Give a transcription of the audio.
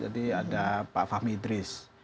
jadi ada pak fahmi idris